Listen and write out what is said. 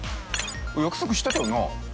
約束してたよな？